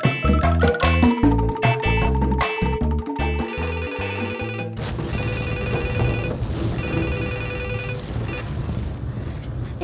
kamu kenal sama kamu murad